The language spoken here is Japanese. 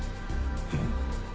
「うん」